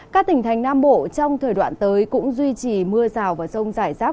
các tỉnh thành nam bộ trong thời đoạn tới cũng duy trì mưa rào và rông rải rác